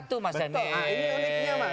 betul ini uniknya mas